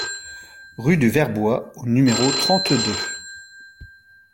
Rue du Vertbois au numéro trente-deux